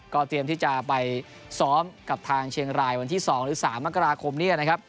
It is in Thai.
เตรียมที่จะไปซ้อมกับทางเชียงรายวันที่๒หรือ๓มกราคมนี้นะครับ